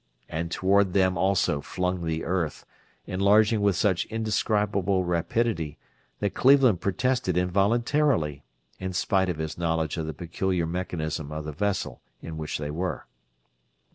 And toward them also flung the earth, enlarging with such indescribable rapidity that Cleveland protested involuntarily, in spite of his knowledge of the peculiar mechanism of the vessel in which they were.